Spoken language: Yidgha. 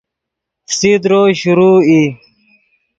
فسیدرو شروع ای